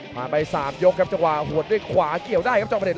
ไป๓ยกครับจังหวะหัวด้วยขวาเกี่ยวได้ครับจอมประเด็